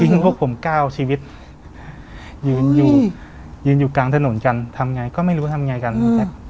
ทิ้งพวกผมก้าวชีวิตยืนอยู่ยืนอยู่กลางถนนกันทำง่ายก็ไม่รู้ทำง่ายกันอืม